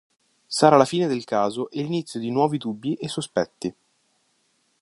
Sarà la fine del caso e l'inizio di nuovi dubbi e sospetti.